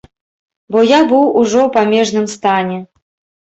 Бо я быў ужо ў памежным стане.